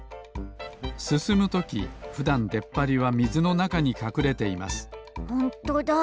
すすむときふだんでっぱりはみずのなかにかくれていますホントだ。